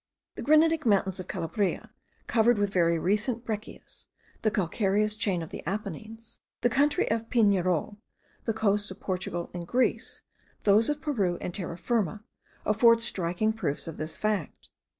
The granitic mountains of Calabria, covered with very recent breccias, the calcareous chain of the Apennines, the country of Pignerol, the coasts of Portugal and Greece, those of Peru and Terra Firma, afford striking proofs of this fact.